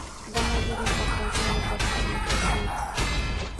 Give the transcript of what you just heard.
Da mayor importancia a los datos más recientes.